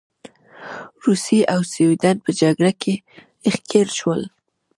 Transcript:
روسیې او سوېډن په جګړه کې ښکیل شول.